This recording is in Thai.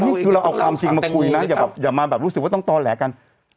นี่คือเราเอาความจริงมาคุยนะอย่ามาแบบรู้สึกว่าต้องต่อแหลกกัน